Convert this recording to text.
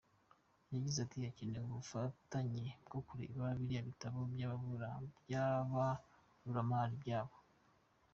Yagize ati “Hakenewe ubufatanye bwo kureba biriya bitabo by’ibaruramari byabo.